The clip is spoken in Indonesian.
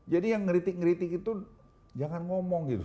jadi yang ngeritik ngeritik itu jangan ngomong gitu